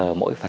và màu sắc